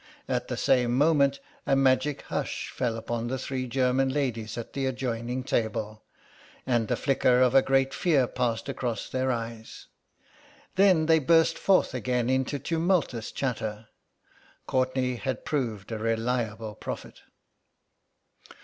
At the same moment a magic hush fell upon the three German ladies at the adjoining table, and the flicker of a great fear passed across their eyes. Then they burst forth again into tumultuous chatter. Courtenay had proved a reliable prophet.